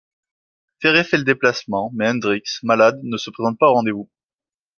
Ferré fait le déplacement mais Hendrix, malade, ne se présente pas au rendez-vous.